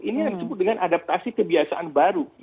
ini yang disebut dengan adaptasi kebiasaan baru